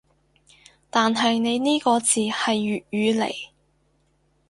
但係你呢個字係粵語嚟